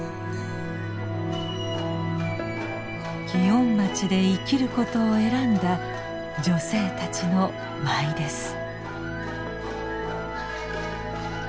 祇園町で生きることを選んだ女性たちの舞です。